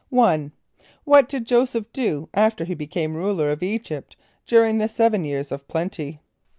=1.= What did J[=o]´[s+]eph do after he became ruler of [=E]´[.g][)y]pt, during the seven years of plenty?